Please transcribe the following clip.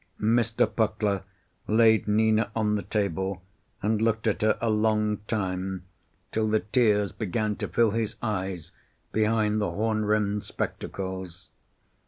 Mr. Puckler laid Nina on the table and looked at her a long time, till the tears began to fill his eyes behind the horn rimmed spectacles.